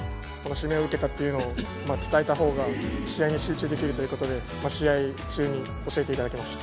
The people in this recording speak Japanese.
指名を受けたというのを伝えたほうが試合に集中できるということで試合中に教えていただきました。